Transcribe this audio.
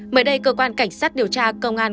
mới đây cơ quan cảnh sát điều tra công an